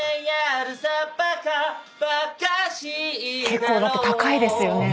結構高いですよね。